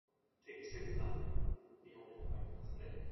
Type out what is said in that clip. He was also an honorary member of the Internationale Stiftung Mozarteum.